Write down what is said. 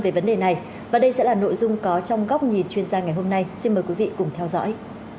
về vấn đề này và đây sẽ là nội dung có trong góc nhìn chuyên gia ngày hôm nay xin mời quý vị cùng theo dõi